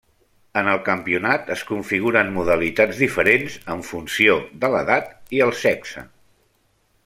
En el campionat es configuren modalitats diferents, en funció de l'edat i el sexe.